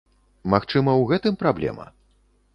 Магчыма, у гэтым праблема?